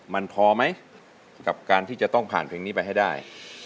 มันพอไหมกับการที่จะต้องผ่านเพลงนี้ไปให้ได้